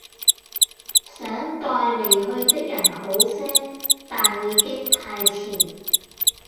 想待離去的人好些，但已經太遲